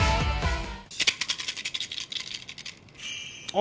あ！